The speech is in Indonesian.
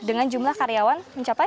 dengan jumlah karyawan mencapai